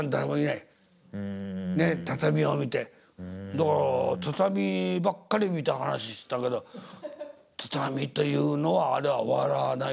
だから畳ばっかり見てはなししてたけど畳というのはあれは笑わないです。